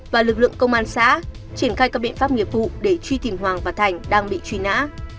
và lực lượng công an xã triển khai các biện pháp nghiệp vụ để truy tìm hoàng và thành đang bị truy nã